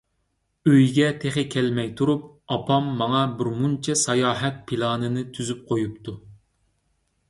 ئۆيگە تېخى كەلمەي تۇرۇپ، ئاپام ماڭا بىر مۇنچە ساياھەت پىلانىنى تۈزۈپ قويۇپتۇ.